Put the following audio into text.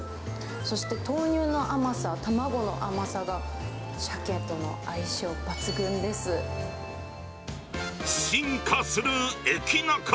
そして豆乳の甘さ、卵の甘さが、シャケとの相性抜群です。